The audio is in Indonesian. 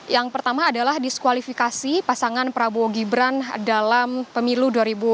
yang pertama adalah diskualifikasi pasangan prabowo gibran dalam pemilu dua ribu dua puluh